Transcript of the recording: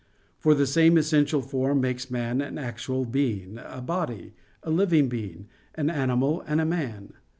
For the same essential form makes man an actual being, a body, a living being, an animal, and a man.